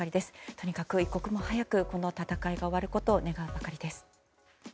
とにかく一刻も早くこの戦いが終わることを願うばかりです。